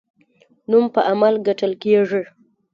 نوم په عمل ګټل کیږي